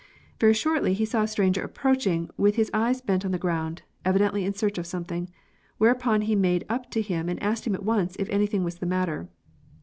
Very shortly he saw a stranger approaching, with his eyes bent on the ground, evidently in search of something; whereupon he made up to him and asked at once if anything was the matter.